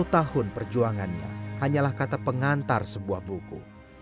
sepuluh tahun perjuangannya hanyalah kata pengantar sebuah buku